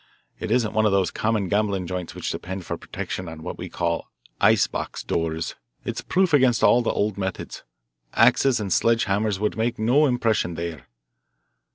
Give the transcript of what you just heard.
It isn't one of those common gambling joints which depend for protection on what we call 'ice box doors.' It's proof against all the old methods. Axes and sledge hammers would make no impression there."